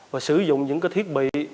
và sử dụng những cái thiết bị